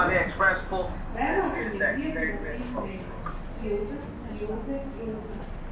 Vēlāk viņiem piedzima trīs meitas: Ilga, Ilze, Rūta.